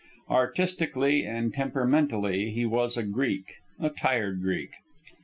Artistically and temperamentally he was a Greek a tired Greek.